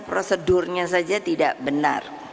prosedurnya saja tidak benar